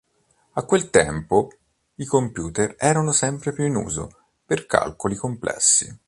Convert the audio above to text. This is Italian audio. A quel tempo, i computer erano sempre più in uso per calcoli complessi.